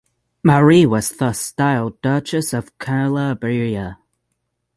Marie was thus styled Duchess of Calabria.